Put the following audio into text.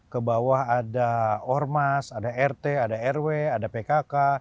ke bawah ada ormas ada rt ada rw ada pkk